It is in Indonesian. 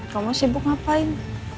kamu sibuk ngapain